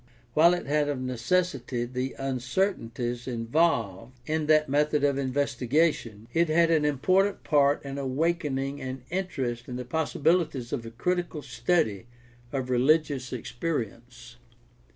While it had of necessity the uncertainties involved in that method of investigation, it had an important part in awaken ing an interest in the possibilities of a critical study of religious experience.